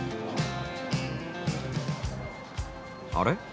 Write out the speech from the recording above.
あれ？